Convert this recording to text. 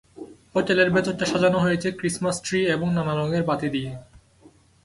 হোটেলের ভেতরটা সাজানো হয়েছে ক্রিসমাস ট্রি এবং নানা রঙের বাতি দিয়ে।